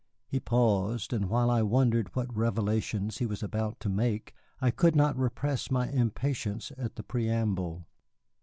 He paused, and while I wondered what revelations he was about to make, I could not repress my impatience at the preamble.